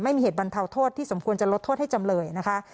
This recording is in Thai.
ไม่มีเหตุบรรเทาโทษที่สมควรจะลดโทษให้จำเลยนะคะ